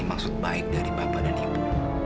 maksud baik dari bapak dan ibu